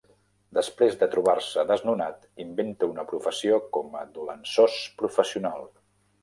Després de trobar-se desnonat, inventa una professió com a dolençós professional.